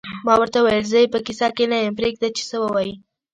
ما ورته وویل: زه یې په کیسه کې نه یم، پرېږده چې څه وایې.